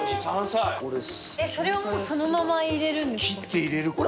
それをそのまま入れるんですか？